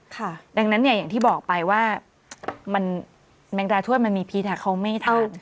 ค่ะดังนั้นเนี่ยอย่างที่บอกไปว่าแมงดาถ้วยมันมีพิษเขาไม่ทาน